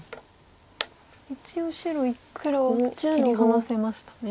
一応白１個を切り離せましたね。